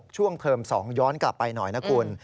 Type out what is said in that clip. เทอม๒ย้อนกลับไปหน่อยนะคุณ